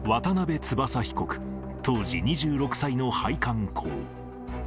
翼被告、当時２６歳の配管工。